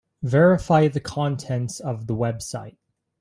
Verify the contents of the website.